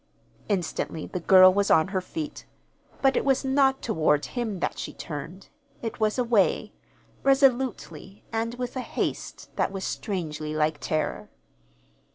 Instantly the girl was on her feet. But it was not toward him that she turned. It was away resolutely, and with a haste that was strangely like terror.